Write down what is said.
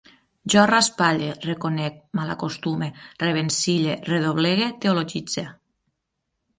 Jo raspalle, reconec, malacostume, revencille, redoblegue, teologitze